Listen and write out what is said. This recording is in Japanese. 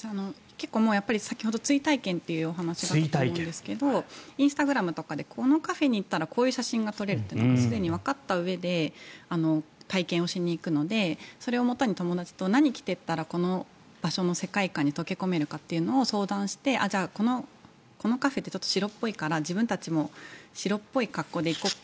先ほど追体験という話があったと思うんですがインスタグラムとかでこのカフェに行ったらこういう写真が撮れるとすでにわかったうえで体験をしに行くのでそれをもとに、友達と何を着てったらこの場所の世界観に溶け込めるかってことを相談して、じゃあこのカフェってちょっと白っぽいから自分たちも白っぽい格好で行こう